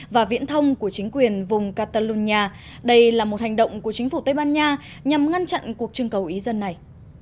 và viễn thông của chính quyền vùng catalonia đây là một hành động của chính phủ tây ban nha nhằm ngăn chặn cuộc trưng cầu ý dân này